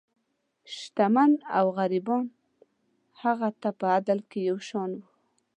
شتمن او غریبان هغه ته په عدل کې یو شان وو.